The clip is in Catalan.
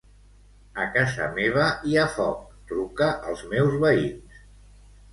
A casa meva hi ha foc; truca als meus veïns.